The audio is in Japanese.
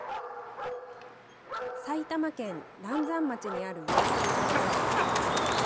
埼玉県嵐山町にある養鶏場です。